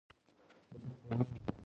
لکه سپوږمۍ.